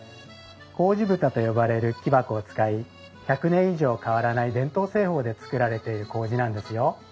麹蓋と呼ばれる木箱を使い１００年以上変わらない伝統製法で作られている麹なんですよ。